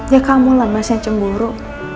ya kamu lah mas yang cemburu